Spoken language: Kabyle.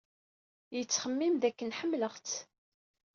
Yettxemmim dakken ḥemmleɣ-tt.